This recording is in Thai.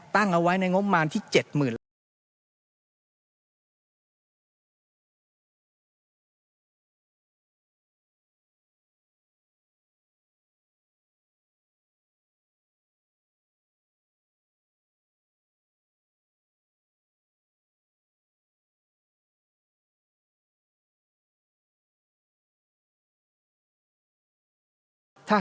ตั้งเอาไว้ในง้มมารที่๗หมื่นละ